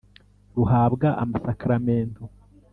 ruhabwa amasakramentu.